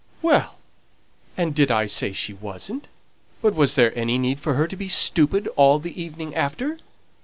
"Well, and did I say she wasn't? but was there any need for her to be stupid all the evening after?"